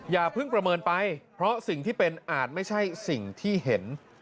อย่าเพิ่งประเมินไปเพราะสิ่งที่เป็นอาจไม่ใช่สิ่งที่เห็น